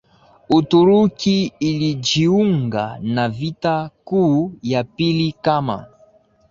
Uturuki ilijiunga na Vita Kuu ya pili kama